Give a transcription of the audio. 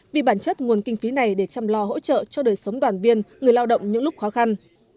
vì bản chất nguồn kinh phí này để chăm lo hỗ trợ cho đời sống đoàn viên người lao động những lúc khó khăn